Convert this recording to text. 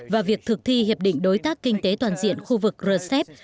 và việc thực thi hiệp định đối tác kinh tế toàn diện khu vực rcep